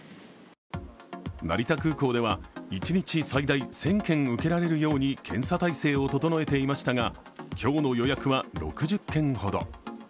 成田空港では一日最大１０００件受けられるように検査態勢を整えていましたが今日の予約は６０件ほど。